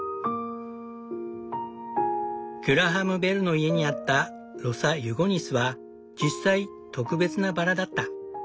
グラハム・ベルの家にあったロサ・ユゴニスは実際特別なバラだった。